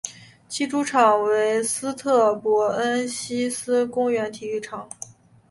其主场为斯特伯恩希思公园体育场。